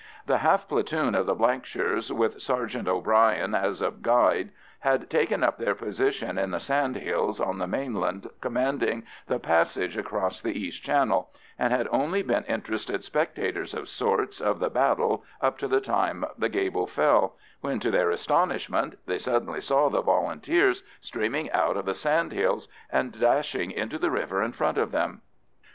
The half platoon of the Blankshires, with Sergeant O'Bryan as a guide, had taken up their position in the sand hills on the mainland commanding the passage across the east channel, and had only been interested spectators of parts of the battle up to the time the gable fell, when, to their astonishment, they suddenly saw the Volunteers streaming out of the sand hills and dashing into the river in front of them.